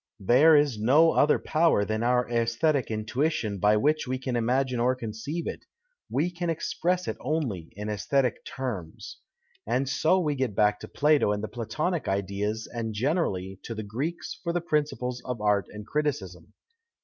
There is no other power than our aesthetic intuition by which we can imagine or conceive it ; we can express it only in aesthetic terms." And so we get back to Plato and the Platonic ideas and, generally, to " the Greeks for the principles of art and criticism."